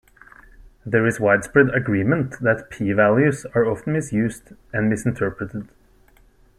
There is widespread agreement that "p"-values are often misused and misinterpreted.